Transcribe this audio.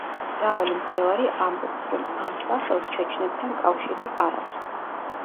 მრავალი მკვლევარი ამბობს, რომ ამ სახელს ჩეჩნებთან კავშირი არ აქვს.